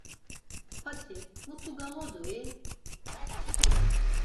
p̌at̆i mutu gağodu-i?